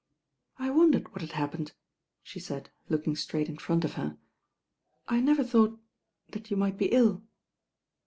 "I wondered what had happened," she said, look ing straight in front of her. "I never thought — that you might be ill."